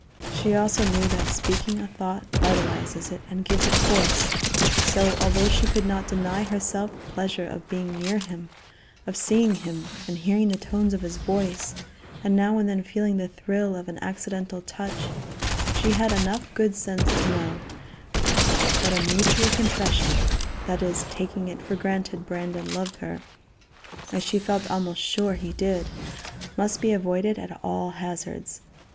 She also knew that speaking a thought vitalizes it and gives it force; so, although she could not deny herself the pleasure of being near him, of seeing him, and hearing the tones of his voice, and now and then feeling the thrill of an accidental touch, she had enough good sense to know that a mutual confession, that is, taking it for granted Brandon loved her, as she felt almost sure he did, must be avoided at all hazards.